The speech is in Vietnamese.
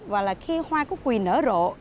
và là khi hoa cúc quỳ nở rộ